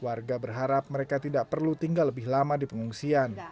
warga berharap mereka tidak perlu tinggal lebih lama di pengungsian